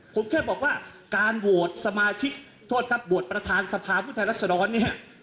ผมแค่บอกว่าการโหวตสมาชิกโทษครับโหวตประธานสภาพุทธรัศดรเนี่ย